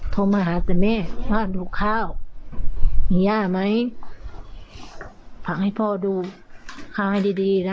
โทรมาหาแต่แม่ว่าดูข้าวมีย่าไหมผักให้พ่อดูข้าวให้ดีดีนะ